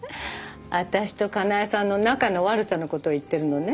私とかなえさんの仲の悪さの事を言ってるのね？